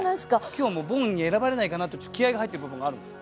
今日はもうボンに選ばれないかなとちょっと気合いが入ってる部分があるんですよ。